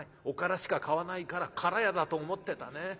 おからしか買わないからから屋だと思ってたね。